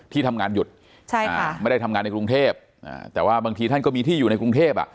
ที่ทำงานหยุดใช่ค่ะไม่ได้ทำงานในกรุงเทพแต่ว่าบางทีท่านก็มีที่อยู่ในกรุงเทพอ่ะ